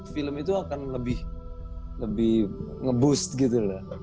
film itu akan lebih nge boost gitu loh